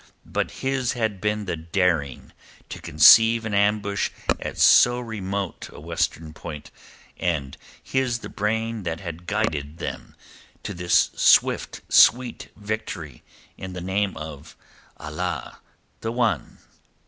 But his had been the daring to conceive an ambush at so remote a western point, and his the brain that had guided them to this swift sweet victory in the name of Allah the One.